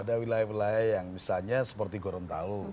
ada wilayah wilayah yang misalnya seperti gorontalo